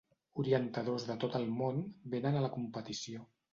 Orientadors de tot el món vénen a la competició.